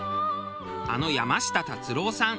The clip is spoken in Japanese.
あの山下達郎さん